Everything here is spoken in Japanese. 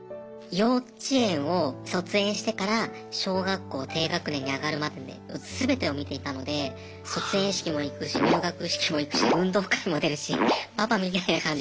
幼稚園を卒園してから小学校低学年に上がるまでね全てを見ていたので卒園式も行くし入学式も行くし運動会も出るしパパみたいな感じで。